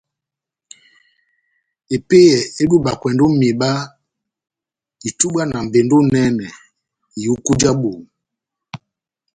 Epeyɛ edubakwɛndi o miba itubwa na mbendu enɛnɛ ya ihuku ja boho.